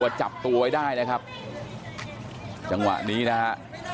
จับตัวไว้ได้นะครับจังหวะนี้นะฮะ